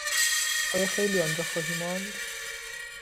آیا خیلی آنجا خواهی ماند؟